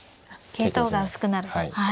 桂頭が薄くなる。